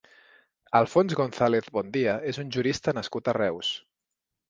Alfons González Bondia és un jurista nascut a Reus.